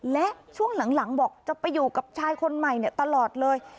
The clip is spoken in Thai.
และช่วงหลังบอกจะไปอยู่กับชายคนใหม่ตลอดเลย